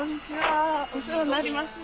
お世話になります。